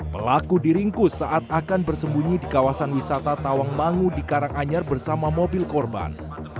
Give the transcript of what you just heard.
pelaku diringkus saat akan bersembunyi di kawasan wisata tawangmangu di karanganyar bersama mobil korban